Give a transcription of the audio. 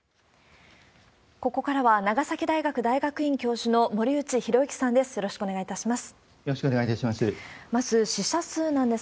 ここからは、長崎大学大学院教授の森内浩幸さんです。